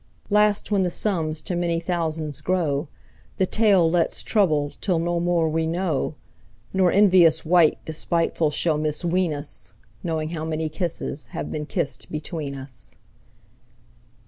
Last when the sums to many thousands grow, 10 The tale let's trouble till no more we know, Nor envious wight despiteful shall misween us Knowing how many kisses have been kissed between us.